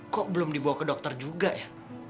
kok belum dibawa ke dokter juga ya